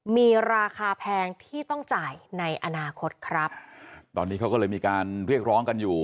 มีราคาแพงที่ต้องจ่ายในอนาคตครับตอนนี้เขาก็เลยมีการเรียกร้องกันอยู่